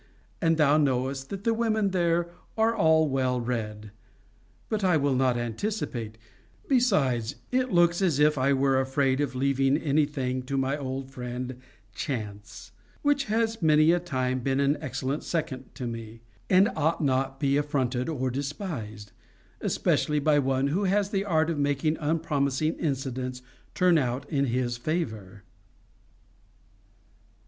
And thou knowest that the women there are all well read. But I will not anticipate Besides, it looks as if I were afraid of leaving any thing to my old friend CHANCE; which has many a time been an excellent second to me, and ought not be affronted or despised; especially by one who has the art of making unpromising incidents turn out in his favour.